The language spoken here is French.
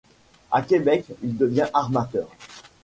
À Québec, il devient armateur.